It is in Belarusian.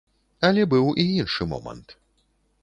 Але быў і іншы момант.